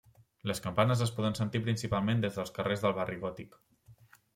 Les campanes es poden sentir principalment des dels carrers del Barri Gòtic.